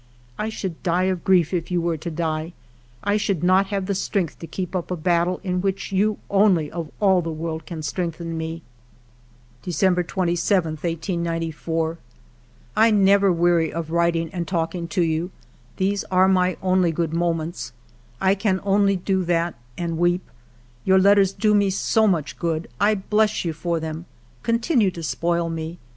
... I should die of grief if you were to die ; I should not have the strength to keep up a battle in which you only of all the world can strengthen me." ALFRED DREYFUS 33 "December 27, 1894. " I never weary of writing and talking to you. These are my only good moments ; I can only do that and weep. Your letters do me so much good. I bless you for them. Continue to spoil me.